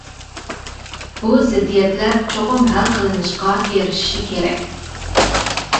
بۇ زىددىيەتلەر چوقۇم ھەل قىلىنىشقا ئېرىشىشى كېرەك.